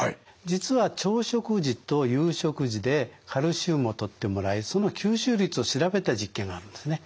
実は朝食時と夕食時でカルシウムをとってもらいその吸収率を調べた実験があるんですね。